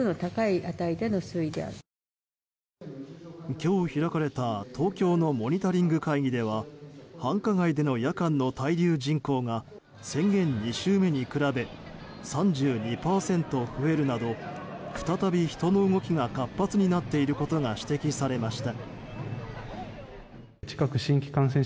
今日開かれた東京のモニタリング会議では繁華街での夜間の滞留人口が宣言２週目に比べ３２％増えるなど再び、人の動きが活発になっていることが指摘されました。